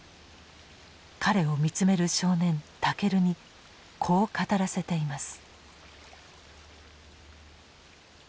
彼を見つめる少年尊にこう語らせています。